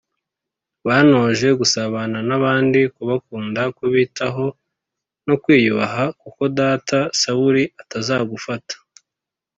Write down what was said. Bantoje gusabana n abandi kubakunda kubitaho no kwiyubaha kuko data sawuli atazagufata